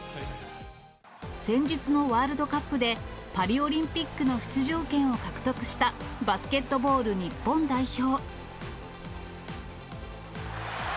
先日のワールドカップで、パリオリンピックの出場権を獲得したバスケットボール日本代表。